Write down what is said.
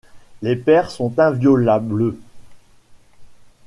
Les pairs sont inviolables.